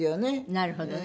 なるほどね。